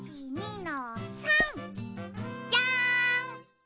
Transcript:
１２の３。じゃん。